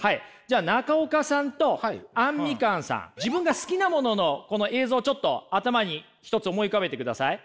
中岡さんとあんみかんさん自分が好きなもののこの映像をちょっと頭に一つ思い浮かべてください。